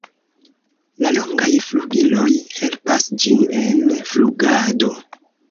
La longaj flugiloj helpas ĝin en flugado.